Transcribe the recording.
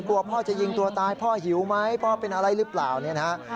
พ่อจะยิงตัวตายพ่อหิวไหมพ่อเป็นอะไรหรือเปล่าเนี่ยนะฮะ